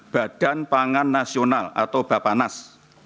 badan pangan nasional atau bapanas